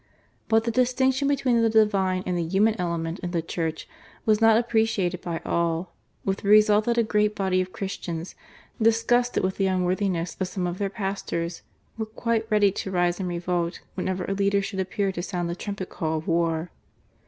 But the distinction between the divine and the human element in the Church was not appreciated by all, with the result that a great body of Christians, disgusted with the unworthiness of some of their pastors, were quite ready to rise in revolt whenever a leader should appear to sound the trumpet call of war.